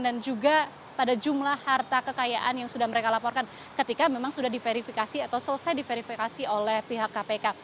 dan juga pada jumlah harta kekayaan yang sudah mereka laporkan ketika memang sudah diverifikasi atau selesai diverifikasi oleh pihak kpk